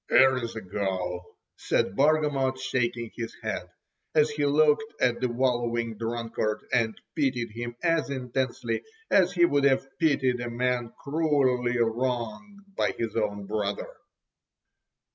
""Ere's a go!" said Bargamot shaking his head, as he looked at the wallowing drunkard, and pitied him as intensely as he would have pitied a man cruelly wronged by his own brother.